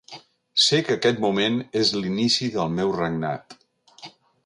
Sé que aquest moment és l'inici del meu regnat.